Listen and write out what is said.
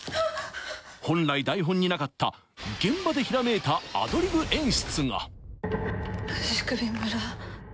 本来台本になかった現場でひらめいたアドリブ演出が牛首村。